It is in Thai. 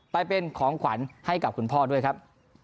ไปเป็นของขวัญให้กับคุณพ่อด้วยครับ